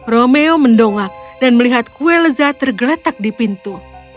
romeo mendongak dan melihat kue lezat tergeletak di pintu